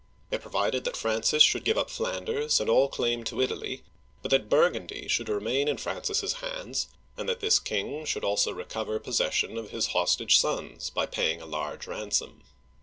It provided that Francis should give up Flanders and all claim to Italy, but that Burgundy should remain in Francis's hands, and that this king should also recover possession of his hostage sons by paying a large ransom.